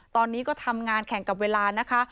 ตอนนี้ก็ทำงานแข่งกับเวลานะคะ